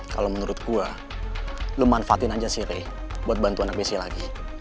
kalo menurut gue lo manfaatin aja sih ray buat bantu anak bc lagi